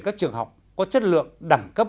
các trường học có chất lượng đẳng cấp